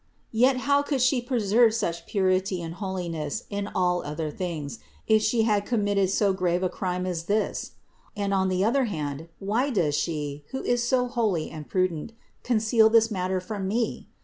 Yet how could She preserve such purity and holiness in all other things if She had committed so grave a crime in this? And on the other hand, why does She, who is so holy and prudent, conceal this matter from me?